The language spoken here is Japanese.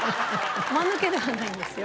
間抜けではないんですよ。